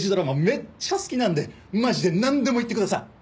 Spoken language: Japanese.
めっちゃ好きなんでマジでなんでも言ってください。